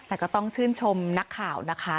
แต่ก็ต้องชื่นชมนักข่าวนะคะ